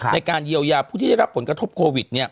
ในการเยียวยาผู้ที่ได้รับผลกระทบโควิด